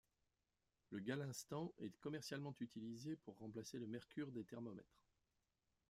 Le galinstan est commercialement utilisé pour remplacer le mercure des thermomètres.